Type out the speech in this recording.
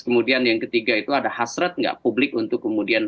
kemudian yang ketiga itu ada hasrat nggak publik untuk kemudian